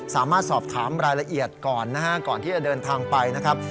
สามารถสอบถามรายละเอียดก่อนนะฮะก่อนที่จะเดินทางไปนะครับ